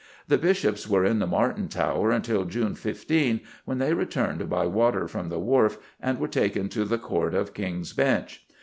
The Bishops were in the Martin Tower until June 15, when they returned by water from the Wharf and were taken to the Court of King's Bench.